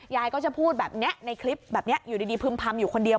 ยายก็จะพูดแบบนี้ในคลิปแบบนี้อยู่ดีพึ่มพำอยู่คนเดียว